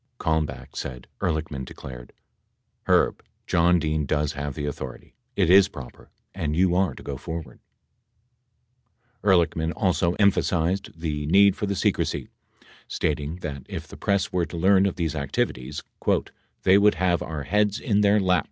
88 Kalmbach said Ehrlichman declared, "Herb, John Dean does have the authority, it is proper, and you are to go forward." 89 Ehrlichman also emphasized the need for the secrecy, stating that if the press were to learn of these activities, "they would have our heads in their laps."